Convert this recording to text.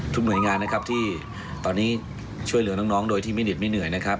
หน่วยงานนะครับที่ตอนนี้ช่วยเหลือน้องโดยที่ไม่เหน็ดไม่เหนื่อยนะครับ